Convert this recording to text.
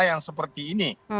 yang seperti ini